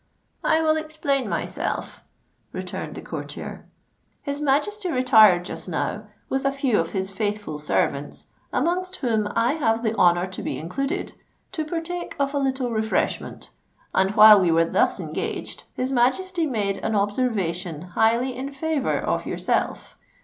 "I will explain myself," returned the courtier. "His Majesty retired just now, with a few of his faithful servants, amongst whom I have the honour to be included, to partake of a little refreshment; and while we were thus engaged, his Majesty made an observation highly in favour of yourself.